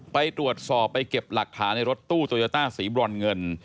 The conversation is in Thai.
ไปตรวจสอบไปเก็บหลักฐานในรถตู้โตโยต้าสีบรอนเงิน